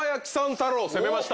太郎攻めました。